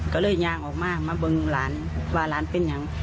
ก็เลยยางออกมามาบึงหลานว่าหลานเป็นอย่าง